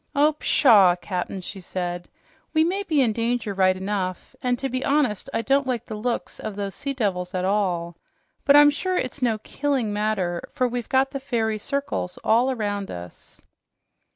"Oh, pshaw, Cap'n," she said. "We may be in danger, right enough, an' to be honest, I don't like the looks of these sea devils at all. But I'm sure it's no KILLING matter, for we've got the fairy circles all around us."